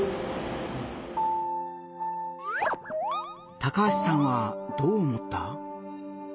高橋さんはどう思った？